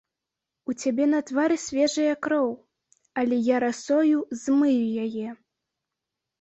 У цябе на твары свежая кроў, але я расою змыю яе.